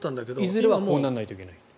いずれはこうならないといけない。